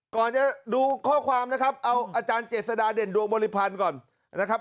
ก่อนจะดูข้อความนะครับเอาอาจารย์เจษฎาเด่นดวงบริพันธ์ก่อนนะครับ